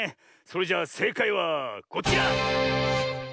それじゃせいかいはこちら！